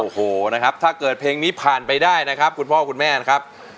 โอ้โหนะครับถ้าเกิดเพลงนี้ผ่านไปได้นะครับคุณพ่อคุณแม่นะครับ